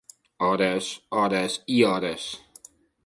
Hores, hores i hores.